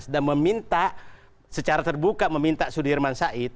dan meminta secara terbuka meminta sudirman said